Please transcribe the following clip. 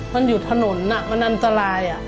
มันอยู่ถนนน่ะมันอันตรายอ่ะ